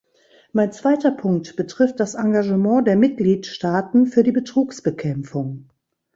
Mein zweiter Punkt betrifft das Engagement der Mitgliedstaaten für die Betrugsbekämpfung.